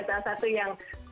itu juga salah satu yang